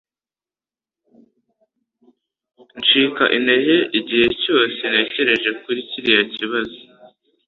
Ncika intege igihe cyose ntekereje kuri kiriya kibazo.